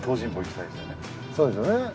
そうですよね。